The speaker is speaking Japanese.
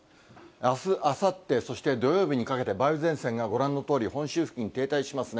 あす、あさって、そして土曜日にかけて、梅雨前線がご覧のとおり、本州付近に停滞しますね。